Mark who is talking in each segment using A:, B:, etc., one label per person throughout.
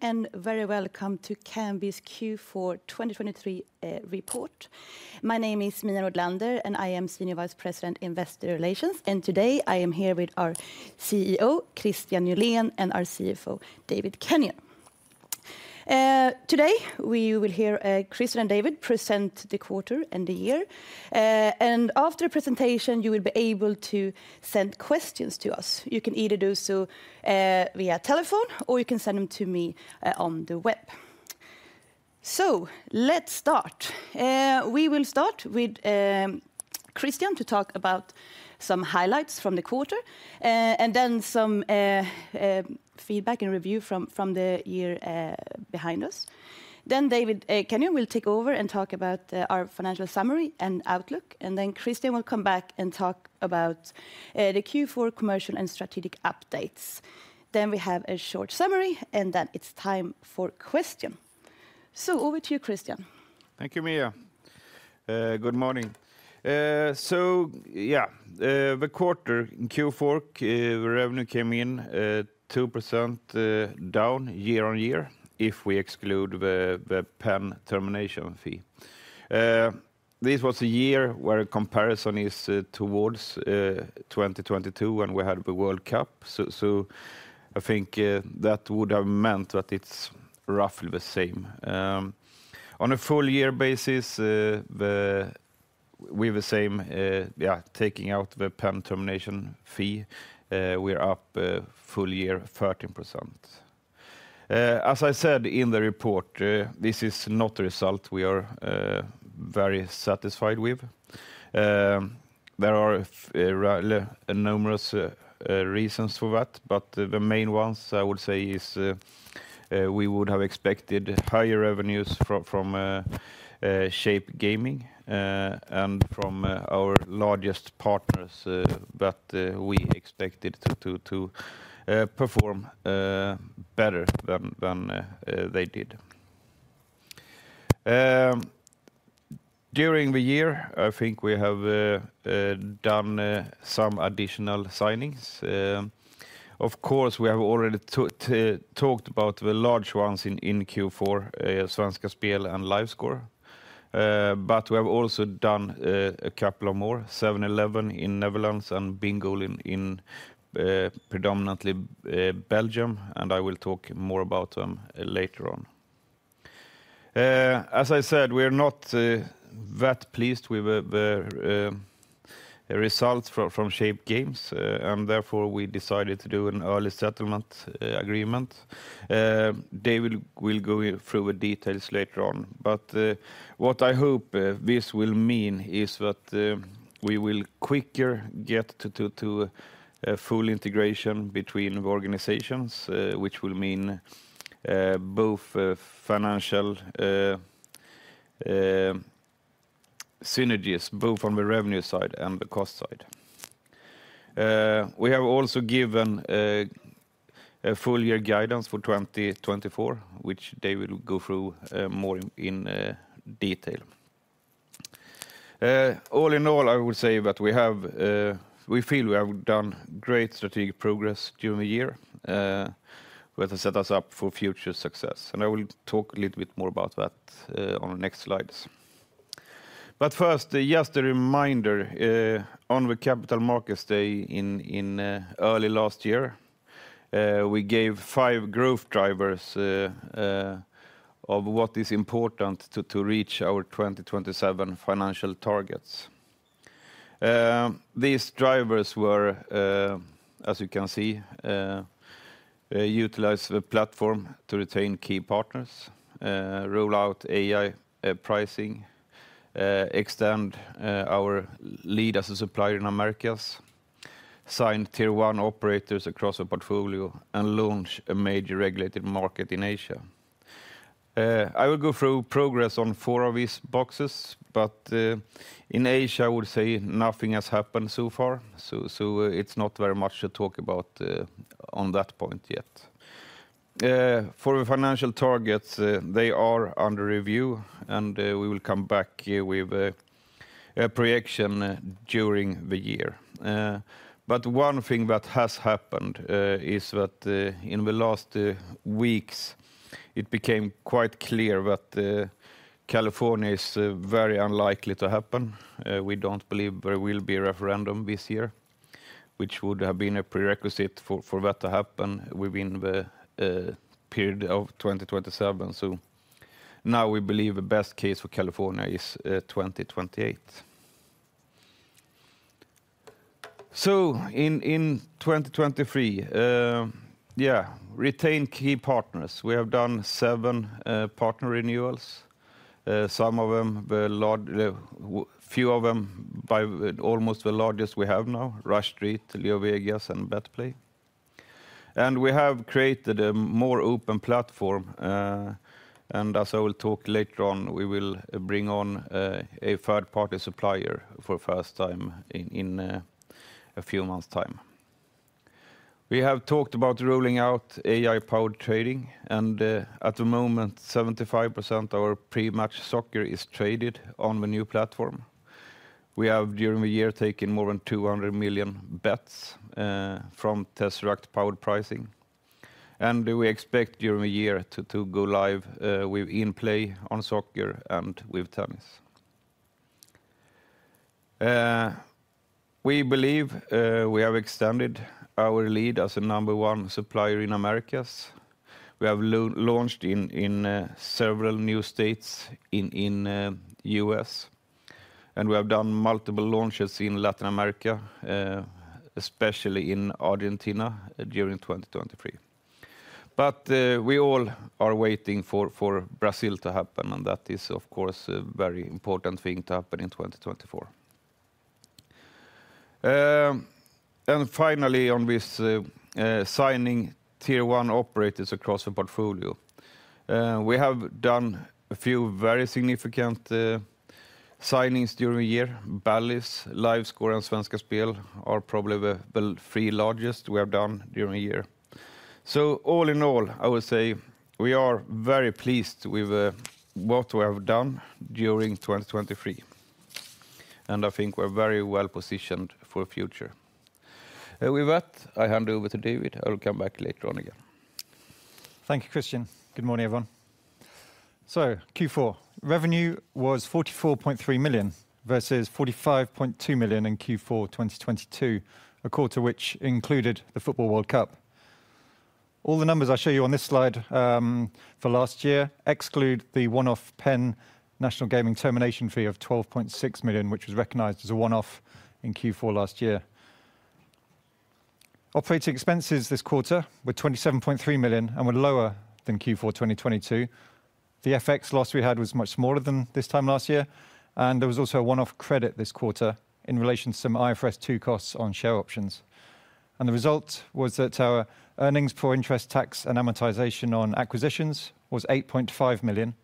A: Good morning and very welcome to Kambi's Q4 2023 report. My name is Mia Nordlander, and I am Senior Vice President, Investor Relations, and today I am here with our CEO Kristian Nylén and our CFO David Kenyon. Today we will hear Kristian and David present the quarter and the year, and after the presentation you will be able to send questions to us. You can either do so via telephone or you can send them to me on the web. So let's start. We will start with Kristian to talk about some highlights from the quarter and then some feedback and review from the year behind us. Then David Kenyon will take over and talk about our financial summary and outlook, and then Kristian will come back and talk about the Q4 commercial and strategic updates. Then we have a short summary, and then it's time for questions. So over to you, Kristian.
B: Thank you, Mia. Good morning. So yeah, the quarter in Q4, the revenue came in 2% down year-over-year if we exclude the Penn termination fee. This was a year where the comparison is towards 2022 when we had the World Cup, so I think that would have meant that it's roughly the same. On a full-year basis, with the same taking out the Penn termination fee, we're up full year 13%. As I said in the report, this is not a result we are very satisfied with. There are numerous reasons for that, but the main ones I would say is we would have expected higher revenues from Shape Games and from our largest partners that we expected to perform better than they did. During the year, I think we have done some additional signings. Of course, we have already talked about the large ones in Q4, Svenska Spel and LiveScore, but we have also done a couple of more, 711 in Netherlands and Bingoal in predominantly Belgium, and I will talk more about them later on. As I said, we are not that pleased with the results from Shape Games, and therefore we decided to do an early settlement agreement. David will go through the details later on, but what I hope this will mean is that we will quicker get to full integration between the organizations, which will mean both financial synergies, both on the revenue side and the cost side. We have also given full-year guidance for 2024, which David will go through more in detail. All in all, I would say that we feel we have done great strategic progress during the year with the setup for future success, and I will talk a little bit more about that on the next slides. But first, just a reminder on the Capital Markets Day in early last year, we gave 5 growth drivers of what is important to reach our 2027 financial targets. These drivers were, as you can see, utilize the platform to retain key partners, roll out AI pricing, extend our lead as a supplier in Americas, sign Tier 1 operators across the portfolio, and launch a major regulated market in Asia. I will go through progress on 4 of these boxes, but in Asia I would say nothing has happened so far, so it's not very much to talk about on that point yet. For the financial targets, they are under review, and we will come back with a projection during the year. But one thing that has happened is that in the last weeks it became quite clear that California is very unlikely to happen. We don't believe there will be a referendum this year, which would have been a prerequisite for that to happen within the period of 2027, so now we believe the best case for California is 2028. So in 2023, yeah, retain key partners. We have done 7 partner renewals, some of them the few of them by almost the largest we have now, Rush Street, LeoVegas, and BetPlay. And we have created a more open platform, and as I will talk later on, we will bring on a third-party supplier for the first time in a few months' time. We have talked about rolling out AI-powered trading, and at the moment 75% of our pre-match soccer is traded on the new platform. We have during the year taken more than 200 million bets from Tzeract Powered Pricing, and we expect during the year to go live with In-Play on soccer and with tennis. We believe we have extended our lead as a number one supplier in the Americas. We have launched in several new states in the U.S., and we have done multiple launches in Latin America, especially in Argentina during 2023. But we all are waiting for Brazil to happen, and that is, of course, a very important thing to happen in 2024. And finally, on this signing Tier 1 operators across the portfolio, we have done a few very significant signings during the year. Bally's, LiveScore, and Svenska Spel are probably the three largest we have done during the year. So all in all, I would say we are very pleased with what we have done during 2023, and I think we're very well positioned for the future. With that, I hand over to David. I will come back later on again.
C: Thank you, Kristian. Good morning, everyone. So Q4, revenue was 44.3 million versus 45.2 million in Q4 2022, a quarter which included the Football World Cup. All the numbers I show you on this slide for last year exclude the one-off Penn National Gaming termination fee of 12.6 million, which was recognized as a one-off in Q4 last year. Operating expenses this quarter were 27.3 million and were lower than Q4 2022. The FX loss we had was much smaller than this time last year, and there was also a one-off credit this quarter in relation to some IFRS 2 costs on share options. And the result was that our EBITDA was 8.5 million,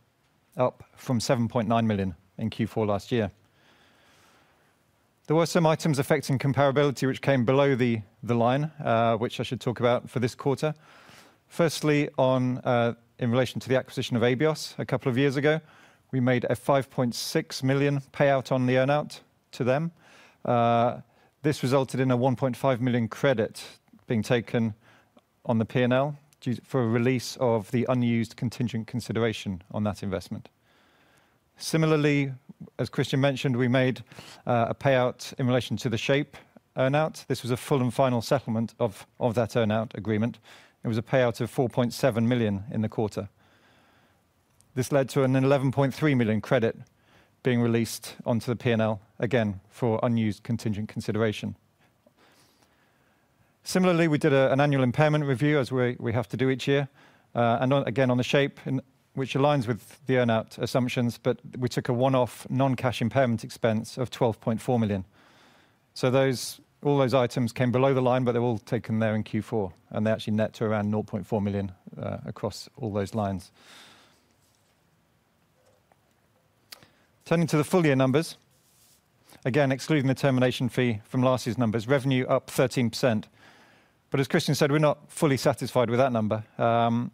C: up from 7.9 million in Q4 last year. There were some items affecting comparability which came below the line, which I should talk about for this quarter. Firstly, in relation to the acquisition of Abios a couple of years ago, we made a 5.6 million payout on the earnout to them. This resulted in a 1.5 million credit being taken on the P&L for a release of the unused contingent consideration on that investment. Similarly, as Kristian mentioned, we made a payout in relation to the Shape earnout. This was a full and final settlement of that earnout agreement. It was a payout of 4.7 million in the quarter. This led to a 11.3 million credit being released onto the P&L again for unused contingent consideration. Similarly, we did an annual impairment review as we have to do each year, and again on the Shape, which aligns with the earnout assumptions, but we took a one-off non-cash impairment expense of 12.4 million. So all those items came below the line, but they're all taken there in Q4, and they're actually net to around 0.4 million across all those lines. Turning to the full-year numbers, again excluding the termination fee from last year's numbers, revenue up 13%. But as Kristian said, we're not fully satisfied with that number.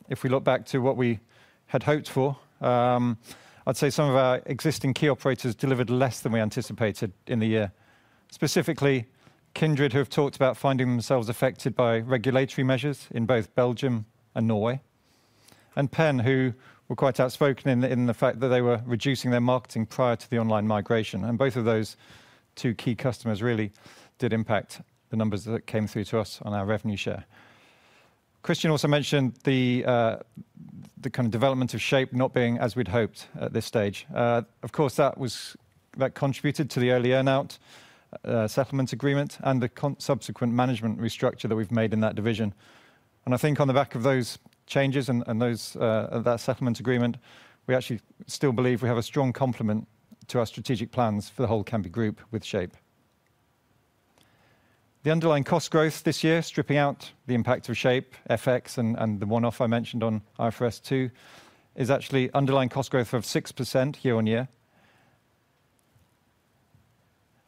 C: If we look back to what we had hoped for, I'd say some of our existing key operators delivered less than we anticipated in the year. Specifically, Kindred, who have talked about finding themselves affected by regulatory measures in both Belgium and Norway, and Penn, who were quite outspoken in the fact that they were reducing their marketing prior to the online migration. And both of those two key customers really did impact the numbers that came through to us on our revenue share. Kristian also mentioned the kind of development of Shape not being as we'd hoped at this stage. Of course, that contributed to the early earnout settlement agreement and the subsequent management restructure that we've made in that division. And I think on the back of those changes and that settlement agreement, we actually still believe we have a strong complement to our strategic plans for the whole Kambi Group with Shape. The underlying cost growth this year, stripping out the impact of Shape, FX, and the one-off I mentioned on IFRS 2, is actually underlying cost growth of 6% year-on-year.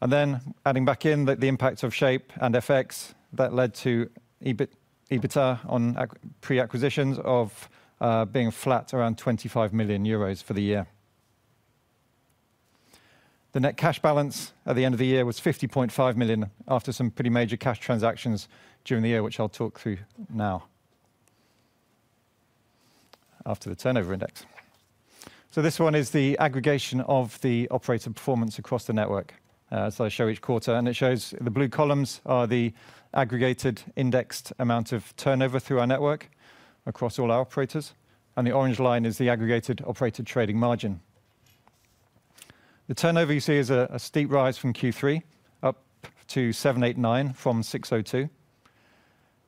C: And then adding back in the impact of Shape and FX, that led to EBITDA on pre-acquisitions of being flat around 25 million euros for the year. The net cash balance at the end of the year was 50.5 million after some pretty major cash transactions during the year, which I'll talk through now after the turnover index. So this one is the aggregation of the operator performance across the network as I show each quarter, and it shows the blue columns are the aggregated indexed amount of turnover through our network across all our operators, and the orange line is the aggregated operator trading margin. The turnover you see is a steep rise from Q3 up to 789 from 602.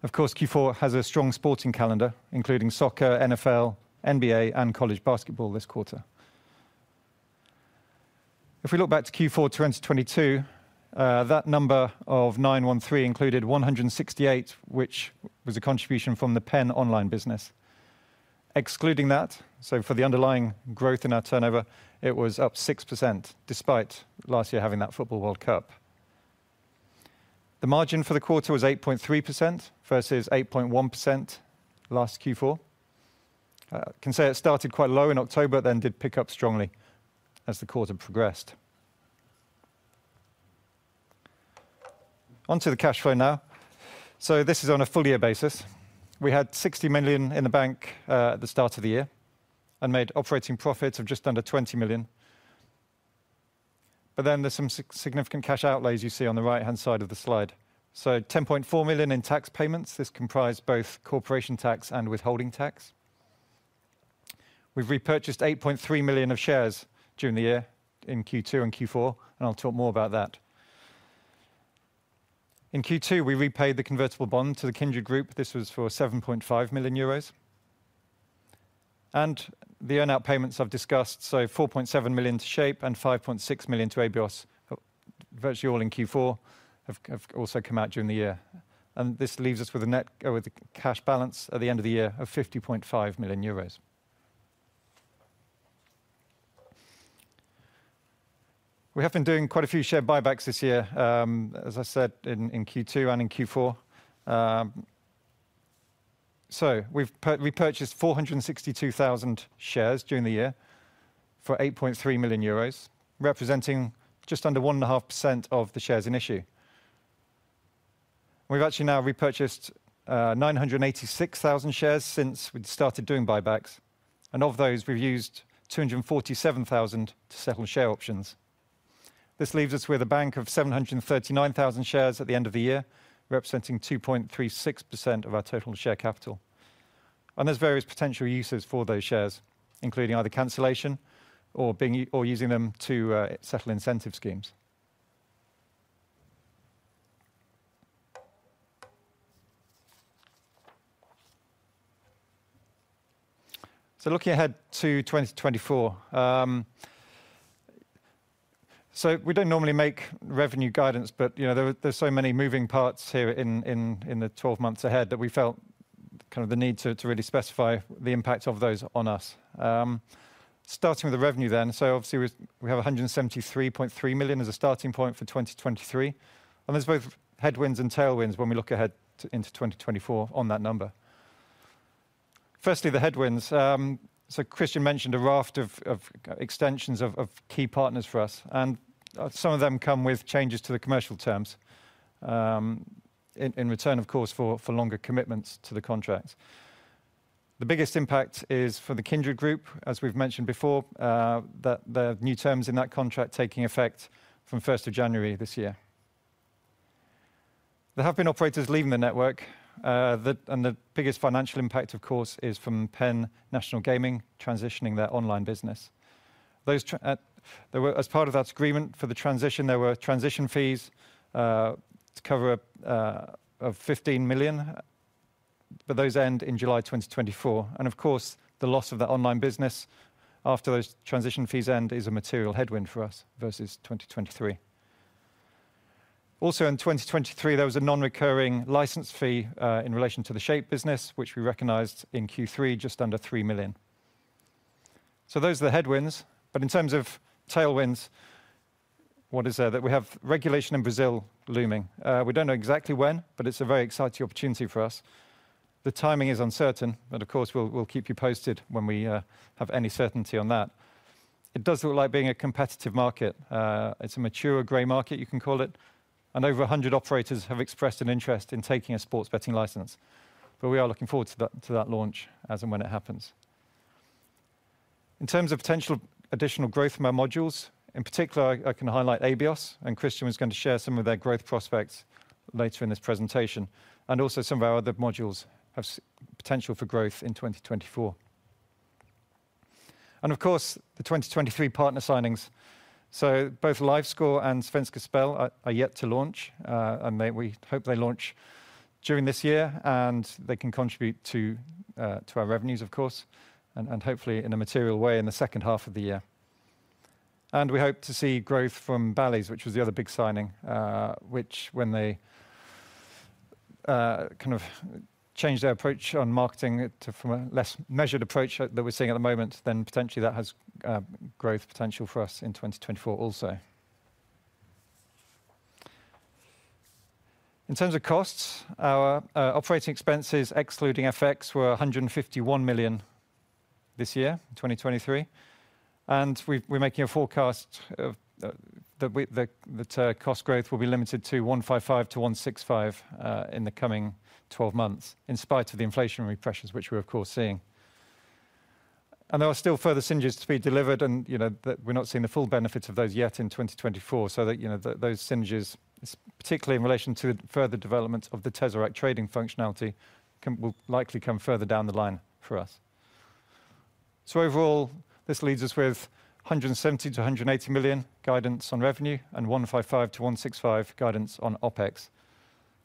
C: Of course, Q4 has a strong sporting calendar, including soccer, NFL, NBA, and college basketball this quarter. If we look back to Q4 2022, that number of 913 included 168, which was a contribution from the Penn online business. Excluding that, so for the underlying growth in our turnover, it was up 6% despite last year having that Football World Cup. The margin for the quarter was 8.3% versus 8.1% last Q4. I can say it started quite low in October but then did pick up strongly as the quarter progressed. Onto the cash flow now. So this is on a full-year basis. We had 60 million in the bank at the start of the year and made operating profits of just under 20 million. But then there's some significant cash outlays you see on the right-hand side of the slide. So 10.4 million in tax payments. This comprised both corporation tax and withholding tax. We've repurchased 8.3 million of shares during the year in Q2 and Q4, and I'll talk more about that. In Q2, we repaid the convertible bond to the Kindred Group. This was for 7.5 million euros. The earnout payments I've discussed, so 4.7 million to Shape and 5.6 million to Abios, virtually all in Q4, have also come out during the year. This leaves us with a net cash balance at the end of the year of 50.5 million euros. We have been doing quite a few share buybacks this year, as I said, in Q2 and in Q4. We've repurchased 462,000 shares during the year for 8.3 million euros, representing just under 1.5% of the shares in issue. We've actually now repurchased 986,000 shares since we started doing buybacks, and of those, we've used 247,000 to settle share options. This leaves us with a bank of 739,000 shares at the end of the year, representing 2.36% of our total share capital. There's various potential uses for those shares, including either cancellation or using them to settle incentive schemes. So, looking ahead to 2024. So we don't normally make revenue guidance, but there's so many moving parts here in the 12 months ahead that we felt kind of the need to really specify the impact of those on us. Starting with the revenue then, so obviously we have 173.3 million as a starting point for 2023. And there's both headwinds and tailwinds when we look ahead into 2024 on that number. Firstly, the headwinds. So Kristian mentioned a raft of extensions of key partners for us, and some of them come with changes to the commercial terms in return, of course, for longer commitments to the contracts. The biggest impact is for the Kindred Group, as we've mentioned before, that the new terms in that contract taking effect from 1st of January this year. There have been operators leaving the network, and the biggest financial impact, of course, is from Penn National Gaming transitioning their online business. As part of that agreement for the transition, there were transition fees to cover of 15 million, but those end in July 2024. And of course, the loss of the online business after those transition fees end is a material headwind for us versus 2023. Also in 2023, there was a non-recurring license fee in relation to the Shape Games business, which we recognized in Q3 just under 3 million. So those are the headwinds. But in terms of tailwinds, what is there? That we have regulation in Brazil looming. We don't know exactly when, but it's a very exciting opportunity for us. The timing is uncertain, but of course, we'll keep you posted when we have any certainty on that. It does look like being a competitive market. It's a mature gray market, you can call it. Over 100 operators have expressed an interest in taking a sports betting license. But we are looking forward to that launch as and when it happens. In terms of potential additional growth in our modules, in particular, I can highlight Abios, and Kristian was going to share some of their growth prospects later in this presentation. Also some of our other modules have potential for growth in 2024. Of course, the 2023 partner signings. So both LiveScore and Svenska Spel are yet to launch, and we hope they launch during this year, and they can contribute to our revenues, of course, and hopefully in a material way in the second half of the year. And we hope to see growth from Bally's, which was the other big signing, which when they kind of changed their approach on marketing from a less measured approach that we're seeing at the moment, then potentially that has growth potential for us in 2024 also. In terms of costs, our operating expenses excluding FX were 151 million this year, 2023. And we're making a forecast that cost growth will be limited to 155 million-165 million in the coming 12 months, in spite of the inflationary pressures which we're, of course, seeing. There are still further synergies to be delivered, and we're not seeing the full benefits of those yet in 2024, so that those synergies, particularly in relation to further development of the Tzeract trading functionality, will likely come further down the line for us. Overall, this leads us with 170-180 million guidance on revenue and 155-165 million guidance on OPEX.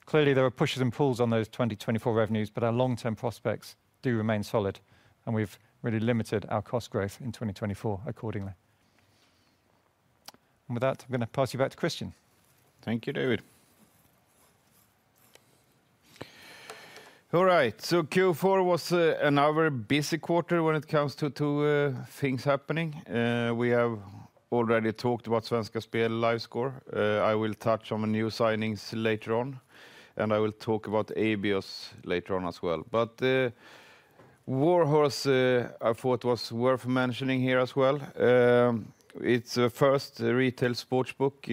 C: Clearly, there are pushes and pulls on those 2024 revenues, but our long-term prospects do remain solid, and we've really limited our cost growth in 2024 accordingly. With that, I'm going to pass you back to Kristian.
B: Thank you, David. All right, so Q4 was another busy quarter when it comes to things happening. We have already talked about Svenska Spel LiveScore. I will touch on the new signings later on, and I will talk about Abios later on as well. But WarHorse I thought was worth mentioning here as well. It's the first retail sportsbook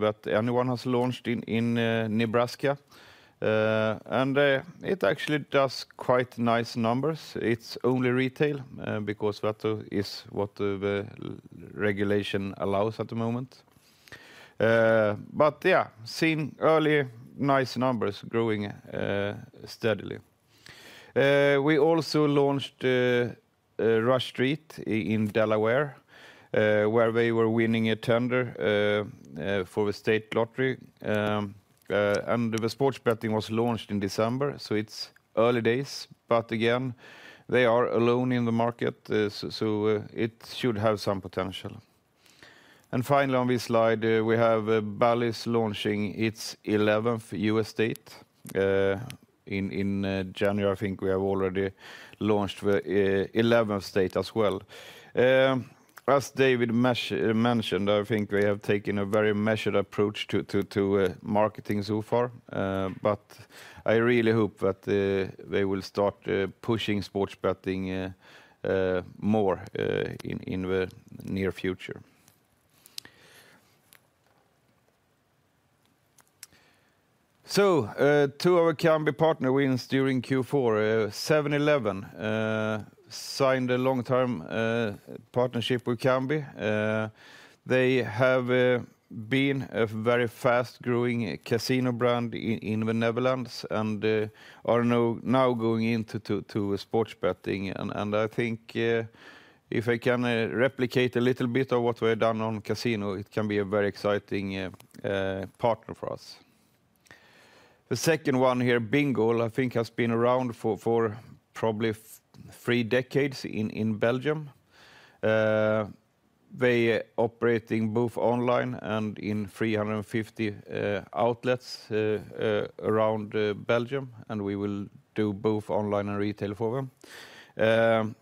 B: that anyone has launched in Nebraska. And it actually does quite nice numbers. It's only retail because that is what the regulation allows at the moment. But yeah, seeing early nice numbers growing steadily. We also launched Rush Street in Delaware, where they were winning a tender for a state lottery. And the sports betting was launched in December, so it's early days. But again, they are alone in the market, so it should have some potential. And finally, on this slide, we have Bally's launching its 11th U.S. state. In January, I think we have already launched the 11th state as well. As David mentioned, I think we have taken a very measured approach to marketing so far. But I really hope that they will start pushing sports betting more in the near future. Two of our Kambi partner wins during Q4, 711, signed a long-term partnership with Kambi. They have been a very fast-growing casino brand in the Netherlands and are now going into sports betting. And I think if they can replicate a little bit of what we have done on casino, it can be a very exciting partner for us. The second one here, Bingoal, I think has been around for probably three decades in Belgium. They are operating both online and in 350 outlets around Belgium, and we will do both online and retail for them.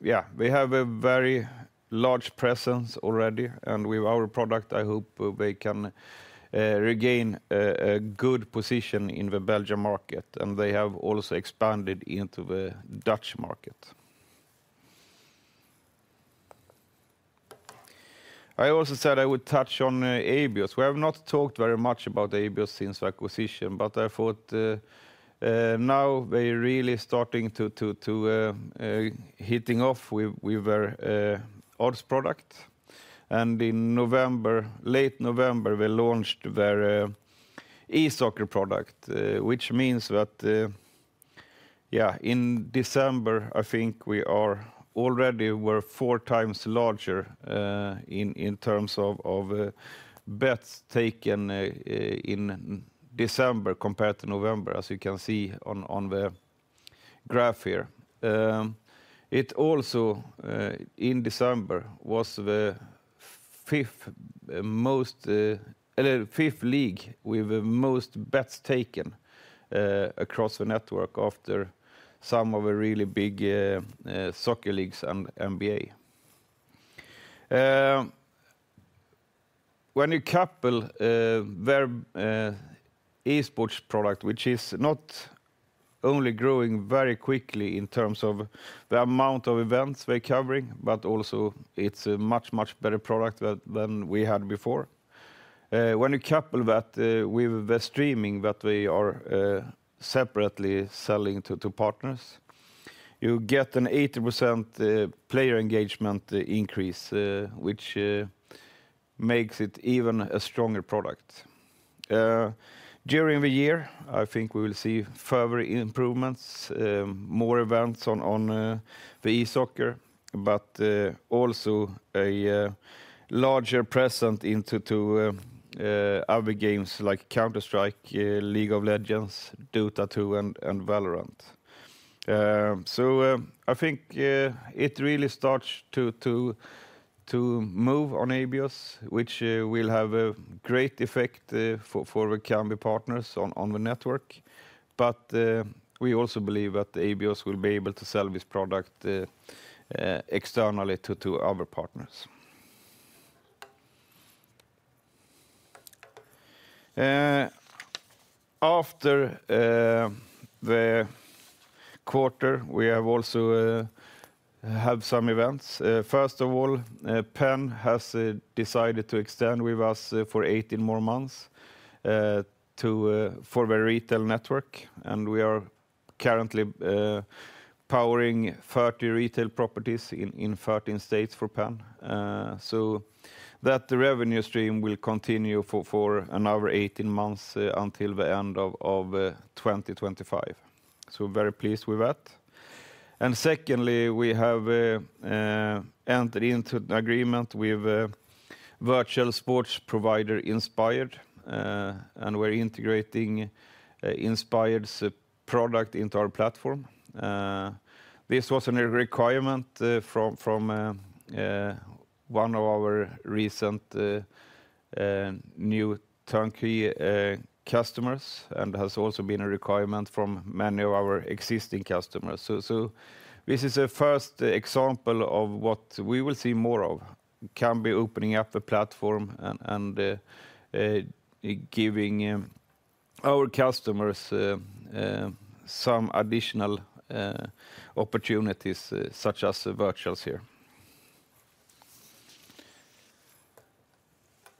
B: Yeah, we have a very large presence already, and with our product, I hope they can regain a good position in the Belgian market. They have also expanded into the Dutch market. I also said I would touch on Abios. We have not talked very much about Abios since the acquisition, but I thought now they are really starting to take off with their odds product. In late November, they launched their eSoccer product, which means that yeah, in December, I think we already were four times larger in terms of bets taken in December compared to November, as you can see on the graph here. It also, in December, was the fifth league with the most bets taken across the network after some of the really big soccer leagues and NBA. When you couple their Esports product, which is not only growing very quickly in terms of the amount of events they're covering, but also it's a much, much better product than we had before. When you couple that with the streaming that we are separately selling to partners, you get an 80% player engagement increase, which makes it even a stronger product. During the year, I think we will see further improvements, more events on the eSoccer, but also a larger presence into other games like Counter-Strike, League of Legends, Dota 2, and Valorant. So I think it really starts to move on Abios, which will have a great effect for the Kambi partners on the network. But we also believe that Abios will be able to sell this product externally to other partners. After the quarter, we also have some events. First of all, Penn has decided to extend with us for 18 more months for the retail network, and we are currently powering 30 retail properties in 13 states for Penn. So that revenue stream will continue for another 18 months until the end of 2025. So very pleased with that. And secondly, we have entered into an agreement with a virtual sports provider, Inspired, and we're integrating Inspired's product into our platform. This was a requirement from one of our recent new turnkey customers and has also been a requirement from many of our existing customers. So this is a first example of what we will see more of: Kambi opening up a platform and giving our customers some additional opportunities such as virtuals here.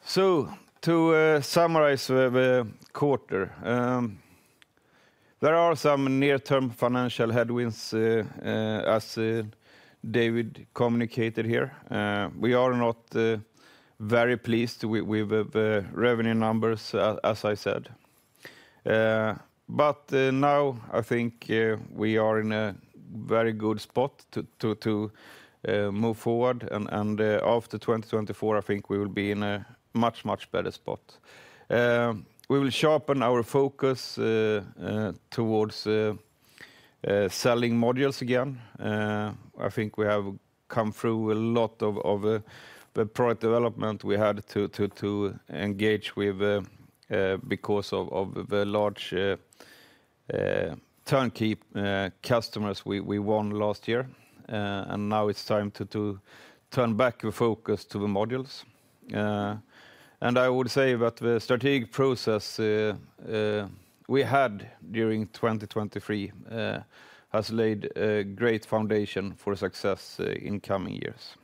B: So to summarize the quarter, there are some near-term financial headwinds, as David communicated here. We are not very pleased with the revenue numbers, as I said. But now I think we are in a very good spot to move forward, and after 2024, I think we will be in a much, much better spot. We will sharpen our focus towards selling modules again. I think we have come through a lot of product development we had to engage with because of the large turnkey customers we won last year. And now it's time to turn back the focus to the modules. And I would say that the strategic process we had during 2023 has laid a great foundation for success in coming years.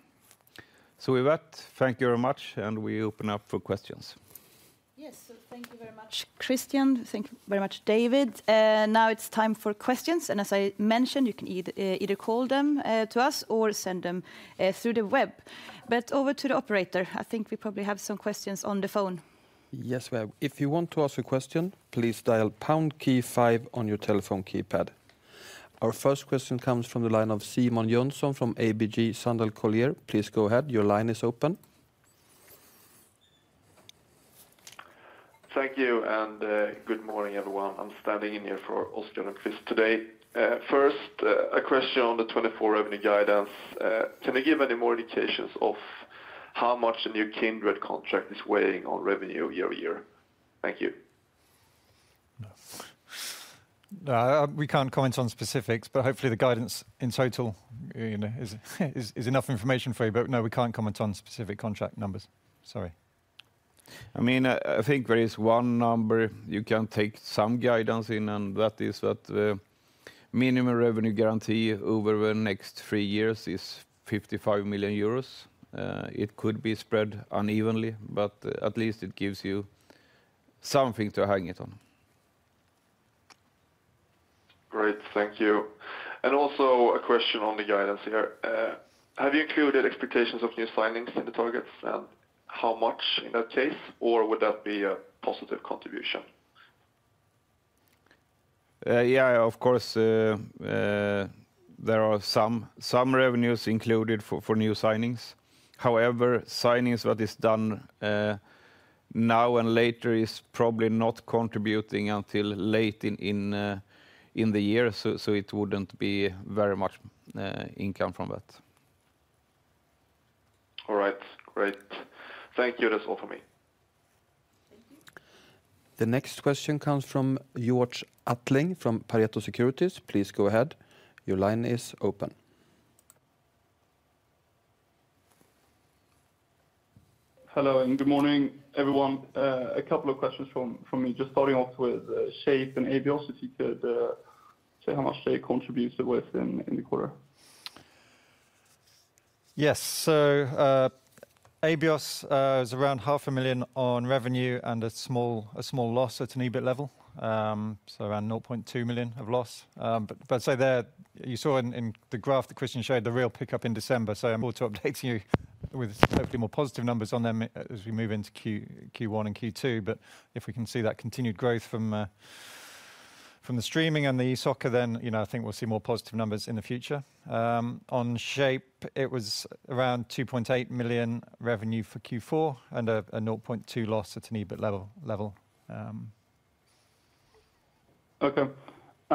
B: So with that, thank you very much, and we open up for questions.
A: Yes, so thank you very much, Kristian. Thank you very much, David. Now it's time for questions, and as I mentioned, you can either call them to us or send them through the web. But over to the operator. I think we probably have some questions on the phone.
D: Yes, if you want to ask a question, please dial pound key five on your telephone keypad. Our first question comes from the line of Simon Jönsson from ABG Sundal Collier. Please go ahead. Your line is open.
E: Thank you, and good morning, everyone. I'm standing in here for Oskar and Chris today. First, a question on the 2024 revenue guidance. Can you give any more indications of how much the new Kindred contract is weighing on revenue year-to-year? Thank you.
C: No, we can't comment on specifics, but hopefully the guidance in total is enough information for you. No, we can't comment on specific contract numbers. Sorry.
B: I mean, I think there is one number you can take some guidance in, and that is that the minimum revenue guarantee over the next three years is 55 million euros. It could be spread unevenly, but at least it gives you something to hang it on.
E: Great, thank you. Also a question on the guidance here. Have you included expectations of new signings in the targets, and how much in that case, or would that be a positive contribution?
B: Yeah, of course, there are some revenues included for new signings. However, signings that are done now and later are probably not contributing until late in the year, so it wouldn't be very much income from that.
E: All right, great. Thank you, that's all from me.
A: Thank you.
D: The next question comes from Georg Attling from Pareto Securities. Please go ahead. Your line is open.
F: Hello, and good morning, everyone. A couple of questions from me, just starting off with Shape and Abios, if you could say how much they contributed with in the quarter.
C: Yes, so Abios is around 0.5 million on revenue and a small loss at an EBIT level, so around 0.2 million of loss. But you saw in the graph that Kristian showed the real pickup in December, so. To updating you with hopefully more positive numbers on them as we move into Q1 and Q2. But if we can see that continued growth from the streaming and the eSoccer, then I think we'll see more positive numbers in the future. On Shape, it was around 2.8 million revenue for Q4 and a 0.2 loss at an EBIT level.
F: Okay, and on the revenue guidance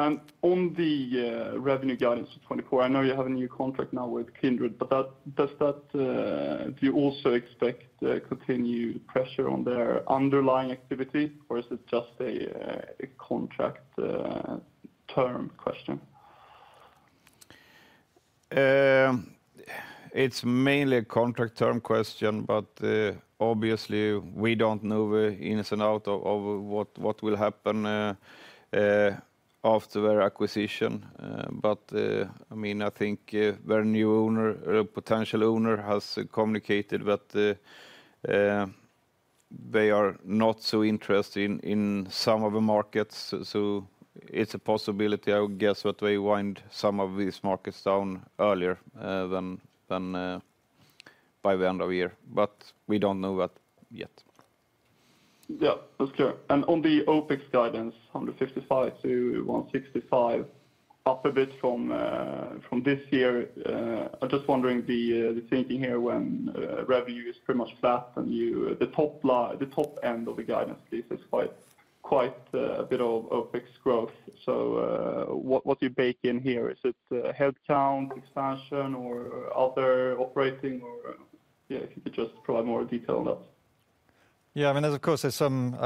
F: for 2024, I know you have a new contract now with Kindred, but do you also expect continued pressure on their underlying activity, or is it just a contract-term question?
B: It's mainly a contract-term question, but obviously we don't know the ins and outs of what will happen after their acquisition. I mean, I think their new owner, potential owner, has communicated that they are not so interested in some of the markets. It's a possibility, I would guess, that they wind some of these markets down earlier than by the end of the year. We don't know that yet.
F: Yeah, that's clear. On the OPEX guidance, 155-165, up a bit from this year, I'm just wondering the thinking here when revenue is pretty much flat and the top end of the guidance, please, is quite a bit of OPEX growth. So what do you bake in here? Is it headcount, expansion, or other operating? Or yeah, if you could just provide more detail on that.
C: Yeah, I mean, of course, there's some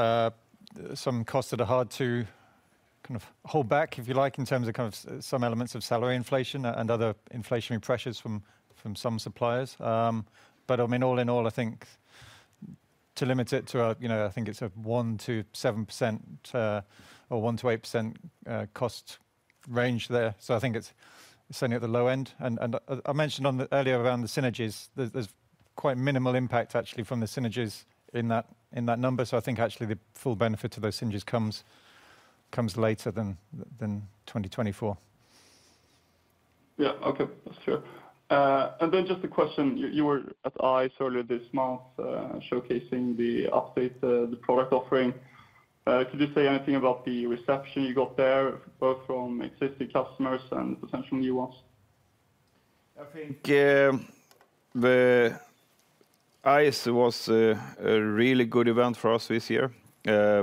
C: costs that are hard to kind of hold back, if you like, in terms of kind of some elements of salary inflation and other inflationary pressures from some suppliers. But I mean, all in all, I think to limit it to a, I think it's a 1%-7% or 1%-8% cost range there. So I think it's certainly at the low end. And I mentioned earlier around the synergies, there's quite minimal impact, actually, from the synergies in that number. So I think, actually, the full benefit to those synergies comes later than 2024.
F: Yeah, okay, that's true. And then just a question. You were at ICE earlier this month showcasing the update, the product offering. Could you say anything about the reception you got there, both from existing customers and potential new ones?
B: I think the ICE was a really good event for us this year,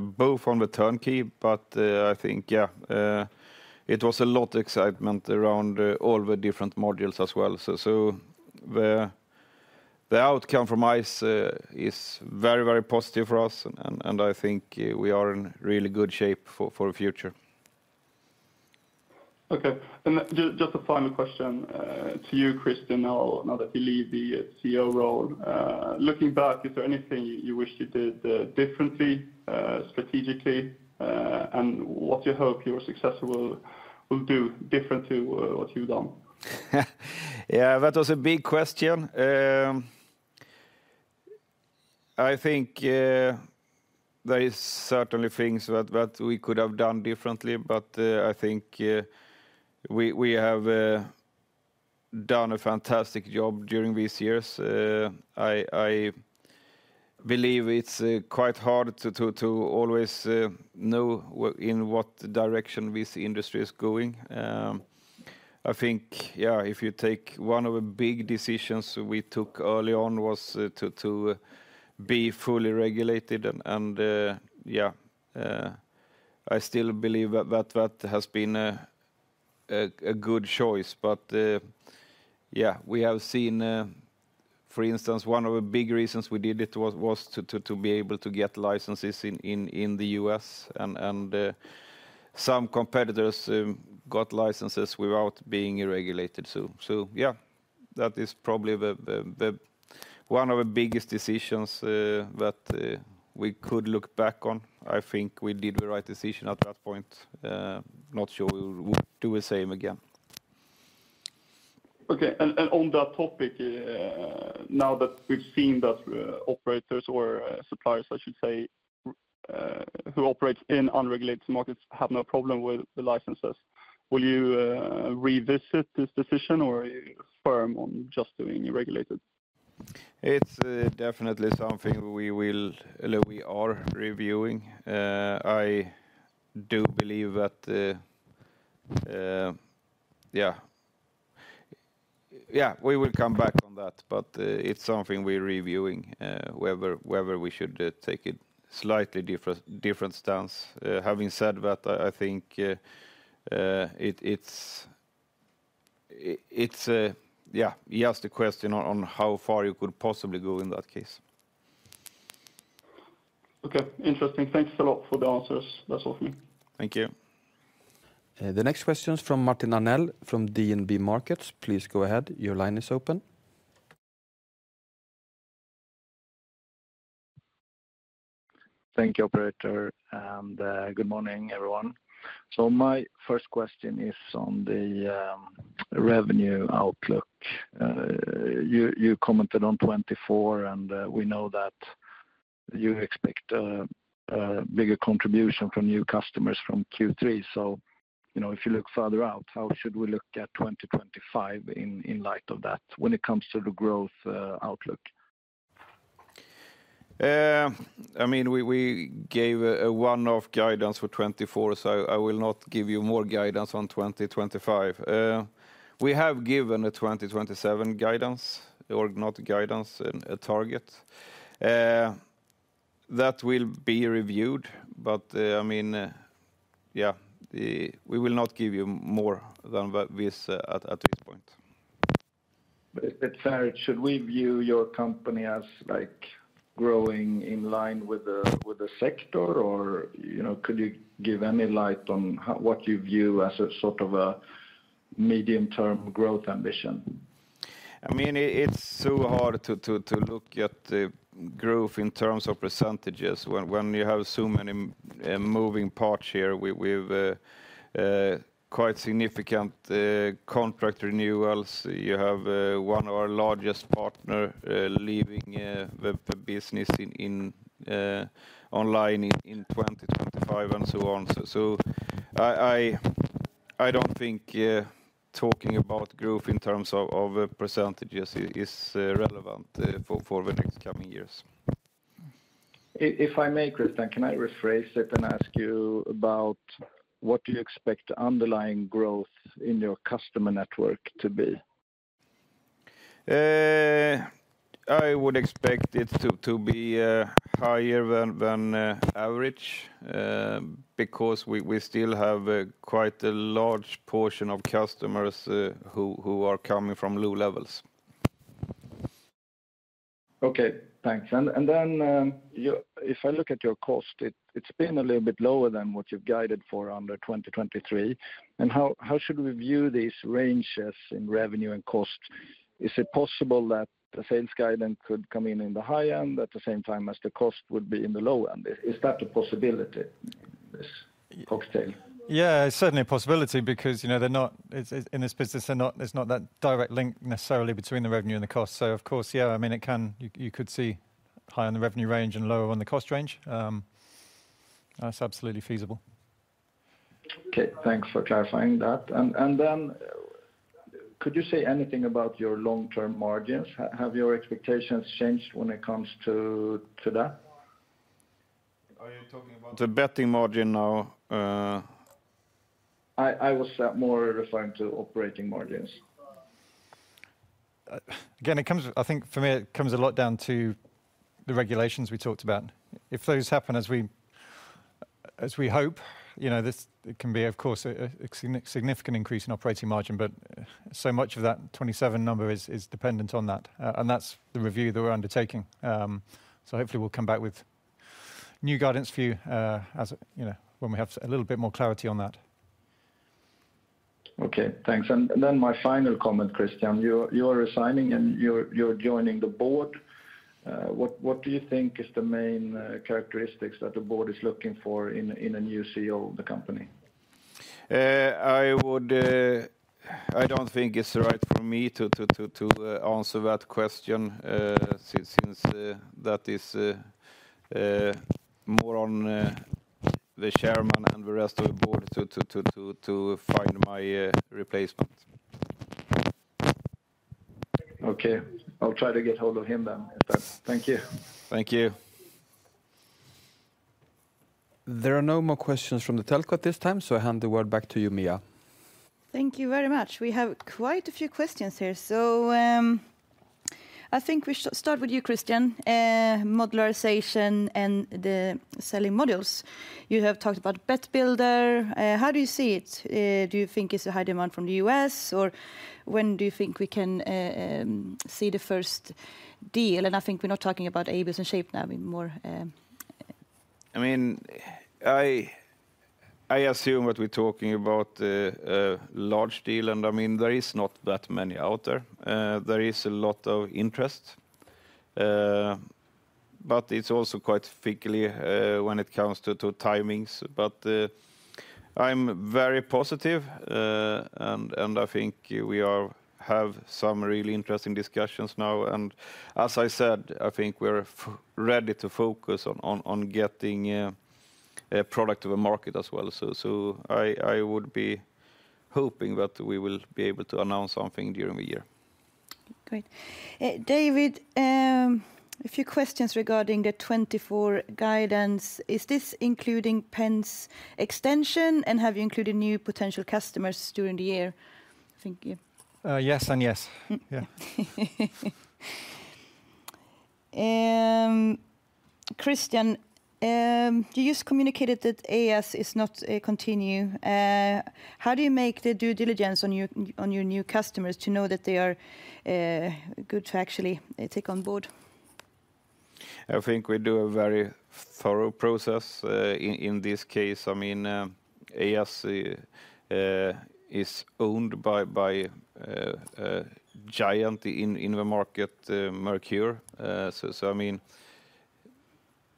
B: both on the turnkey. But I think, yeah, it was a lot of excitement around all the different modules as well. So the outcome from ICE is very, very positive for us, and I think we are in really good shape for the future.
F: Okay, just a final question to you, Kristian, now that you leave the CEO role: Looking back, is there anything you wish you did differently, strategically, and what do you hope your successor will do differently to what you've done?
B: Yeah, that was a big question. I think there are certainly things that we could have done differently, but I think we have done a fantastic job during these years. I believe it's quite hard to always know in what direction this industry is going. I think, yeah, if you take one of the big decisions we took early on was to be fully regulated. And yeah, I still believe that that has been a good choice. But yeah, we have seen, for instance, one of the big reasons we did it was to be able to get licenses in the U.S., and some competitors got licenses without being regulated. So yeah, that is probably one of the biggest decisions that we could look back on. I think we did the right decision at that point. Not sure we would do the same again.
F: Okay, and on that topic, now that we've seen that operators or suppliers, I should say, who operate in unregulated markets have no problem with the licenses, will you revisit this decision, or are you firm on just doing regulated?
B: It's definitely something we are reviewing. I do believe that, yeah, we will come back on that. But it's something we're reviewing, whether we should take a slightly different stance. Having said that, I think it's, yeah, just a question on how far you could possibly go in that case.
F: Okay, interesting. Thanks a lot for the answers. That's all from me.
B: Thank you.
D: The next question is from Martin Arnell from DNB Markets. Please go ahead. Your line is open.
G: Thank you, operator, and good morning, everyone. So my first question is on the revenue outlook. You commented on 2024, and we know that you expect a bigger contribution from new customers from Q3. So if you look further out, how should we look at 2025 in light of that when it comes to the growth outlook?
B: I mean, we gave one-off guidance for 2024, so I will not give you more guidance on 2025. We have given a 2027 guidance or not guidance, a target. That will be reviewed, but I mean, yeah, we will not give you more than this at this point.
G: But it's fair. Should we view your company as growing in line with the sector, or could you give any light on what you view as a sort of a medium-term growth ambition?
B: I mean, it's so hard to look at the growth in terms of percentages when you have so many moving parts here. We have quite significant contract renewals. You have one of our largest partners leaving the business online in 2025 and so on. So I don't think talking about growth in terms of percentages is relevant for the next coming years.
G: If I may, Kristian, can I rephrase it and ask you about what do you expect underlying growth in your customer network to be?
B: I would expect it to be higher than average because we still have quite a large portion of customers who are coming from low levels.
G: Okay, thanks. And then if I look at your cost, it's been a little bit lower than what you've guided for under 2023. And how should we view these ranges in revenue and cost? Is it possible that the sales guidance could come in in the high end at the same time as the cost would be in the low end? Is that a possibility in this cocktail?
C: Yeah, certainly a possibility because they're not in this business, there's not that direct link necessarily between the revenue and the cost. So of course, yeah, I mean, you could see higher on the revenue range and lower on the cost range. That's absolutely feasible.
G: Okay, thanks for clarifying that. Could you say anything about your long-term margins? Have your expectations changed when it comes to that?
C: Are you talking about the betting margin now?
G: I was more referring to operating margins.
C: Again, I think for me, it comes a lot down to the regulations we talked about. If those happen as we hope, it can be, of course, a significant increase in operating margin, but so much of that 27 number is dependent on that. That's the review that we're undertaking. Hopefully, we'll come back with new guidance for you when we have a little bit more clarity on that.
G: Okay, thanks. And then my final comment, Kristian. You are resigning, and you're joining the board. What do you think are the main characteristics that the board is looking for in a new CEO of the company?
B: I don't think it's right for me to answer that question since that is more on the chairman and the rest of the board to find my replacement.
G: Okay, I'll try to get hold of him then if that. Thank you.
B: Thank you.
D: There are no more questions from the telco at this time, so I hand the word back to you, Mia.
A: Thank you very much. We have quite a few questions here. So I think we should start with you, Kristian. Modularization and the selling modules. You have talked about Bet Builder. How do you see it? Do you think it's a high demand from the US, or when do you think we can see the first deal? And I think we're not talking about ABIOS and SHAPE now. We're more.
B: I mean, I assume that we're talking about a large deal. I mean, there are not that many out there. There is a lot of interest. But it's also quite fickle when it comes to timings. But I'm very positive, and I think we have some really interesting discussions now. And as I said, I think we're ready to focus on getting a product to the market as well. So I would be hoping that we will be able to announce something during the year.
A: Great. David, a few questions regarding the 2024 guidance. Is this including Penn's extension, and have you included new potential customers during the year? I think you.
C: Yes and yes. Yeah.
A: Kristian, you just communicated that Eyas is not continuing. How do you make the due diligence on your new customers to know that they are good to actually take on board?
B: I think we do a very thorough process in this case. I mean, Eyas is owned by a giant in the market, Merkur. So I mean,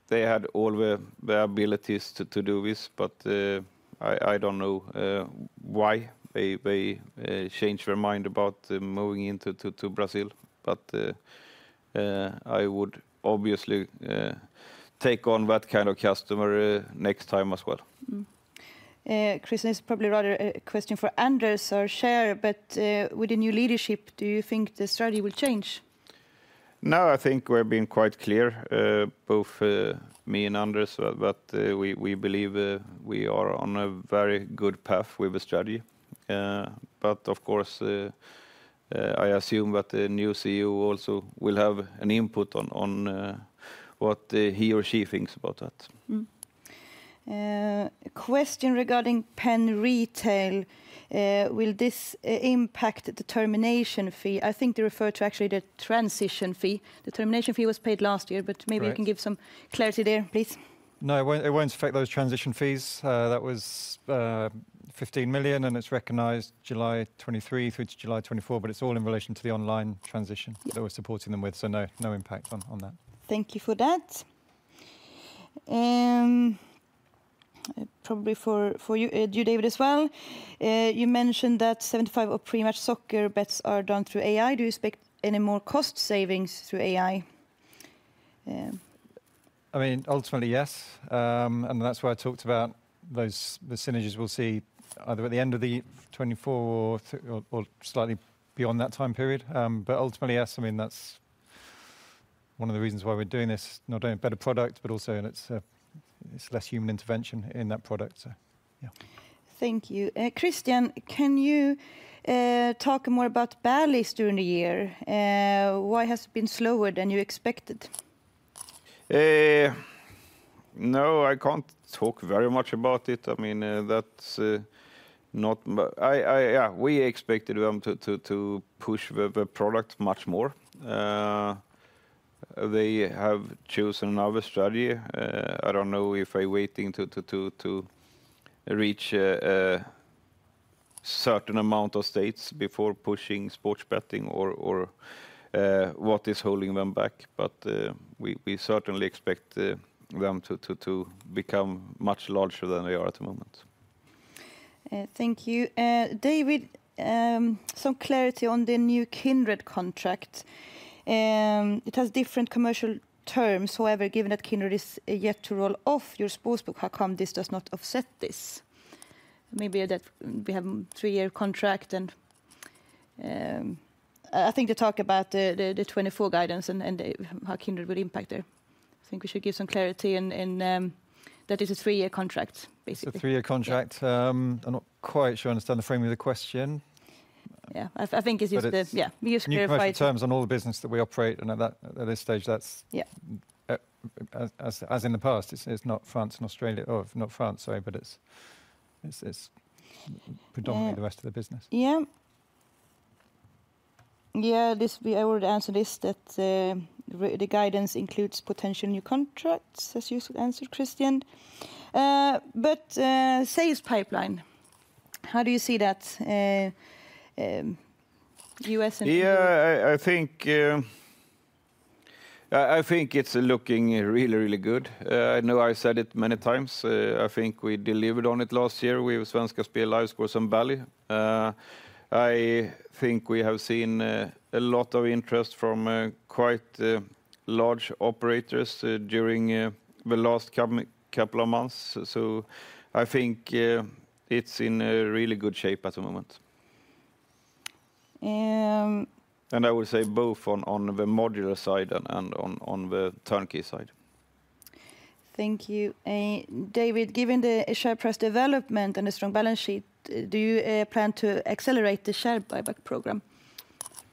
B: they had all the abilities to do this, but I don't know why they changed their mind about moving into Brazil. But I would obviously take on that kind of customer next time as well.
A: Kristian, it's probably rather a question for Anders or our Chair, but with the new leadership, do you think the strategy will change?
B: No, I think we've been quite clear, both me and Anders, that we believe we are on a very good path with the strategy. But of course, I assume that the new CEO also will have an input on what he or she thinks about that.
A: Question regarding Penn Retail. Will this impact the termination fee? I think they refer to actually the transition fee. The termination fee was paid last year, but maybe you can give some clarity there, please.
C: No, it won't affect those transition fees. That was 15 million, and it's recognized July 2023 through to July 2024, but it's all in relation to the online transition that we're supporting them with. So no, no impact on that.
A: Thank you for that. Probably for you, David, as well. You mentioned that 75% of pretty much soccer bets are done through AI. Do you expect any more cost savings through AI?
C: I mean, ultimately, yes. That's why I talked about those synergies we'll see either at the end of 2024 or slightly beyond that time period. Ultimately, yes. I mean, that's one of the reasons why we're doing this, not only a better product, but also it's less human intervention in that product. Yeah.
A: Thank you. Kristian, can you talk more about Bally during the year? Why has it been slower than you expected?
B: No, I can't talk very much about it. I mean, that's not yeah, we expected them to push the product much more. They have chosen another strategy. I don't know if they're waiting to reach a certain amount of states before pushing sports betting or what is holding them back. But we certainly expect them to become much larger than they are at the moment.
A: Thank you. David, some clarity on the new Kindred contract. It has different commercial terms. However, given that Kindred is yet to roll off, your sportsbook has come. This does not offset this. Maybe we have a three-year contract, and I think they talk about the 2024 guidance and how Kindred would impact there. I think we should give some clarity in that it's a three-year contract, basically.
C: A 3-year contract. I'm not quite sure I understand the framing of the question.
A: Yeah, I think it's just the yeah, we just clarified.
C: You can put terms on all the business that we operate, and at this stage, that's as in the past. It's not France and Australia, oh, not France, sorry, but it's predominantly the rest of the business.
A: Yeah. Yeah, I would answer this, that the guidance includes potential new contracts, as you answered, Kristian. But sales pipeline, how do you see that? U.S. and.
B: Yeah, I think it's looking really, really good. I know I said it many times. I think we delivered on it last year with Svenska Spel, LiveScore, and Bally. I think we have seen a lot of interest from quite large operators during the last couple of months. So I think it's in really good shape at the moment. And I would say both on the modular side and on the turnkey side.
A: Thank you. David, given the share price development and the strong balance sheet, do you plan to accelerate the share buyback program?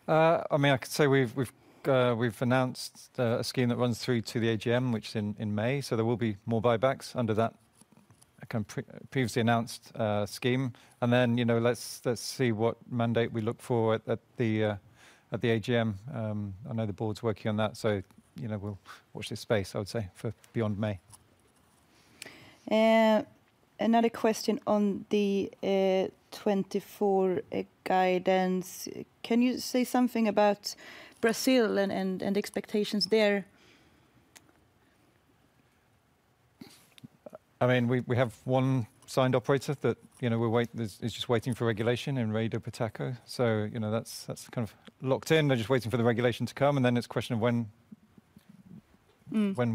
C: I mean, I could say we've announced a scheme that runs through to the AGM, which is in May. So there will be more buybacks under that previously announced scheme. And then let's see what mandate we look for at the AGM. I know the board's working on that, so we'll watch this space, I would say, for beyond May.
A: Another question on the 2024 guidance. Can you say something about Brazil and expectations there?
C: I mean, we have one signed operator that is just waiting for regulation in Rei do Pitaco. So that's kind of locked in. They're just waiting for the regulation to come, and then it's a question of when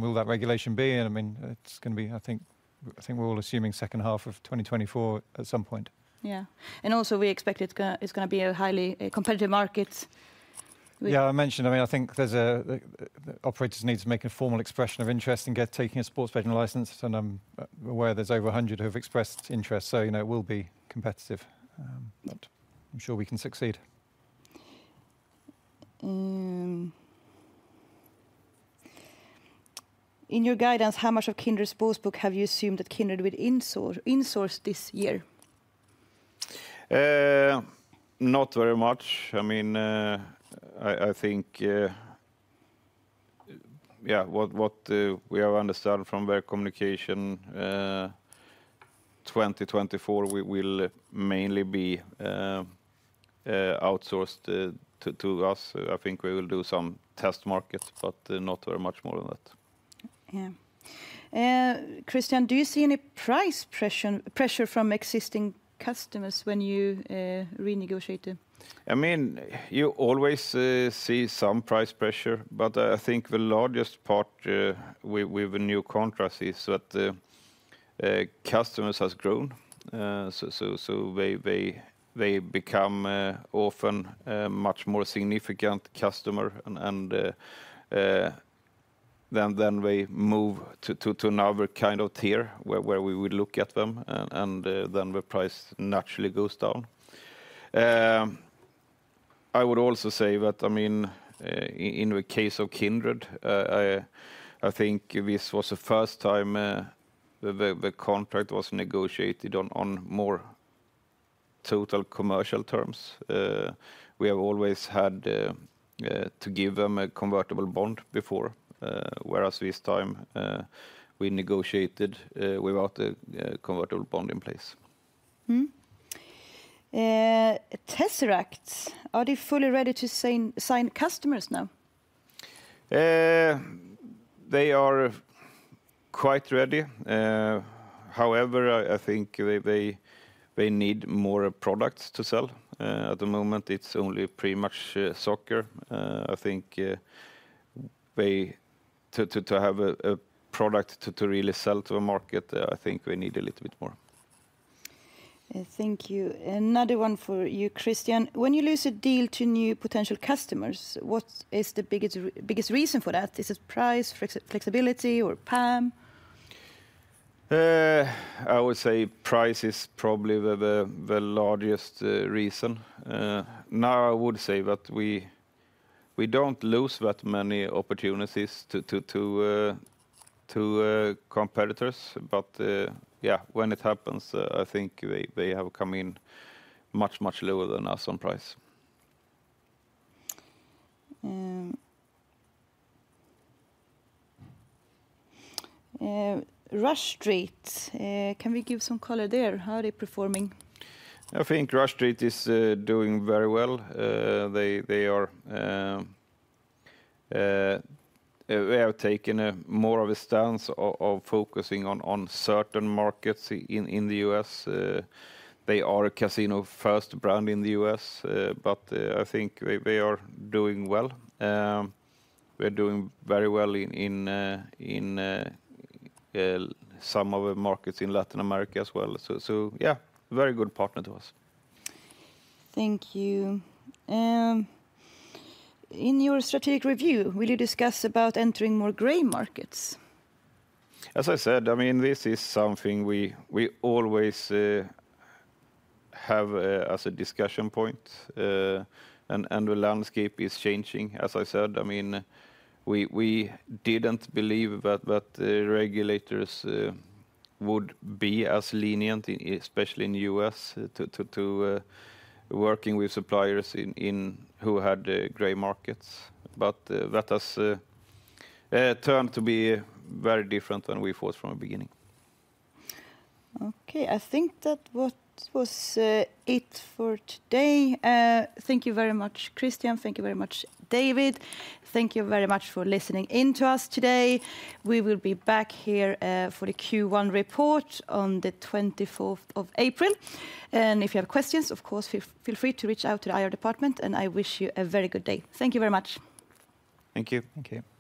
C: will that regulation be? And I mean, it's going to be, I think we're all assuming second half of 2024 at some point.
A: Yeah. Also, we expect it's going to be a highly competitive market.
C: Yeah, I mentioned. I mean, I think operators need to make a formal expression of interest in taking a sports betting license. And I'm aware there's over 100 who have expressed interest, so it will be competitive. But I'm sure we can succeed.
A: In your guidance, how much of Kindred's sportsbook have you assumed that Kindred would insource this year?
B: Not very much. I mean, I think, yeah, what we have understood from their communication, 2024 will mainly be outsourced to us. I think we will do some test markets, but not very much more than that.
A: Yeah. Kristian, do you see any price pressure from existing customers when you renegotiate?
B: I mean, you always see some price pressure, but I think the largest part with the new contract is that the customers have grown. So they become often a much more significant customer, and then they move to another kind of tier where we would look at them, and then the price naturally goes down. I would also say that, I mean, in the case of Kindred, I think this was the first time the contract was negotiated on more total commercial terms. We have always had to give them a convertible bond before, whereas this time we negotiated without a convertible bond in place.
A: Tzeract, are they fully ready to sign customers now?
B: They are quite ready. However, I think they need more products to sell. At the moment, it's only pretty much soccer. I think to have a product to really sell to the market, I think we need a little bit more.
A: Thank you. Another one for you, Kristian. When you lose a deal to new potential customers, what is the biggest reason for that? Is it price, flexibility, or PAM?
B: I would say price is probably the largest reason. Now, I would say that we don't lose that many opportunities to competitors. But yeah, when it happens, I think they have come in much, much lower than us on price.
A: Rush Street, can we give some color there? How are they performing?
B: I think Rush Street is doing very well. They have taken more of a stance of focusing on certain markets in the US. They are a casino-first brand in the US, but I think they are doing well. We're doing very well in some of the markets in Latin America as well. So yeah, very good partner to us.
A: Thank you. In your strategic review, will you discuss about entering more gray markets?
B: As I said, I mean, this is something we always have as a discussion point. The landscape is changing. As I said, I mean, we didn't believe that regulators would be as lenient, especially in the U.S., to working with suppliers who had gray markets. That has turned to be very different than we thought from the beginning.
A: Okay. I think that was it for today. Thank you very much, Kristian. Thank you very much, David. Thank you very much for listening in to us today. We will be back here for the Q1 report on the 24th of April. If you have questions, of course, feel free to reach out to the IR department, and I wish you a very good day. Thank you very much.
B: Thank you.
C: Thank you.